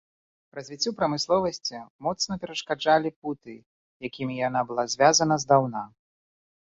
Развіццю прамысловасці моцна перашкаджалі путы, якімі яна была звязана здаўна.